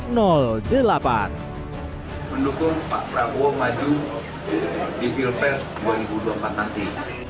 mendukung pak prabowo maju di pilpres dua ribu dua puluh empat nanti